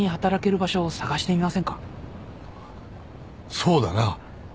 そうだな。